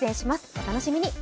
お楽しみに。